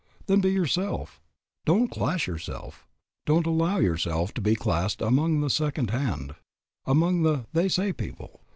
Then be yourself. Don't class yourself, don't allow yourself to be classed among the second hand, among the they say people.